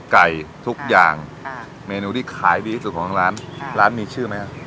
ไก่ทุกอย่างอ่าเมนูที่ขายดีที่สุดของร้านอ่าร้านมีชื่อไหมฮะ